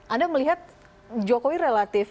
anda melihat jokowi relatif